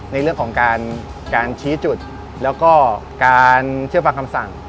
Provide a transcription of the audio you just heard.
ในเรื่องของการชี้จุดแล้วก็การเชื่อฟังคำสั่ง